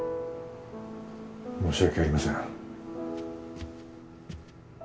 申し訳ありません